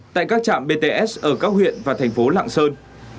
tại các trạm bts ở các huyện và thành phố lạng sơn